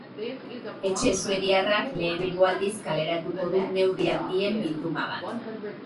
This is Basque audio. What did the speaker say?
Etxe suediarrak lehenengo aldiz kaleratuko du neurri handien bilduma bat.